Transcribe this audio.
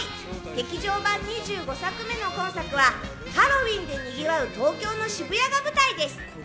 劇場版２５作目の今作はハロウィンでにぎわう東京の渋谷が舞台です。